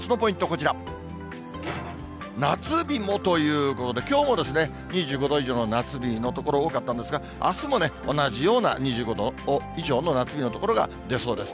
こちら、夏日もということで、きょうもですね、２５度以上の夏日の所多かったんですが、あすも同じような２５度以上の夏日の所が出そうです。